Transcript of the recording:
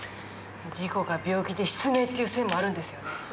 事故か病気で失明っていう線もあるんですよね。